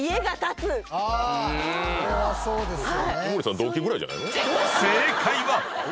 これはそうですよね。